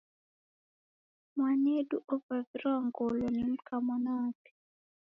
Mwanedu ovavirwa ngolo ni mka mwana wape.